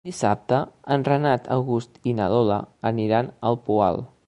Dissabte en Renat August i na Lola aniran al Poal.